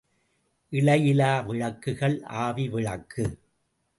இழையிலா விளக்குகள் ஆவி விளக்கு.